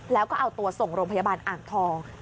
แล้วก็เอาตัวส่งโรงพยาบาลอ่างทอง